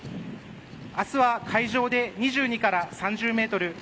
明日は海上で２２から３０メートル